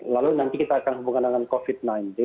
lalu nanti kita akan hubungan dengan covid sembilan belas